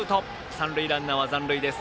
三塁ランナーは残塁です。